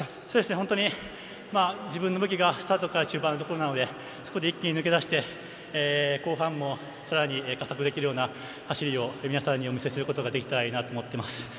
自分の武器がスタートから中盤なので一気に抜け出して後半もさらに加速できるような走りを皆さんにお見せすることができたらなと思います。